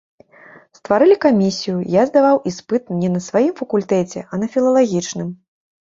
Стварылі камісію, я здаваў іспыт не на сваім факультэце, а на філалагічным.